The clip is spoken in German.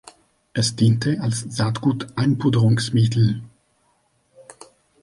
Es diente als Saatgut-Einpuderungsmittel.